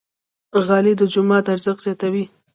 غالۍ د جومات ارزښت زیاتوي.